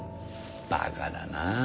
バカだなぁ